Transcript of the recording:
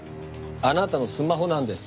あなたのスマホなんです。